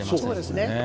そうですね。